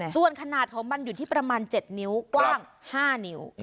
ส่วนขนาดของมันอยู่ที่ประมาณ๗นิ้วกว้าง๕นิ้ว